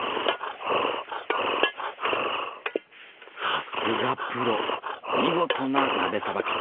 さすがプロ見事な鍋さばき。